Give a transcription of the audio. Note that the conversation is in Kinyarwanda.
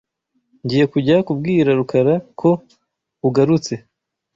Ngiye kujya kubwira Rukara ko ugarutse.